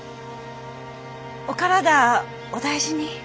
お体お大事に。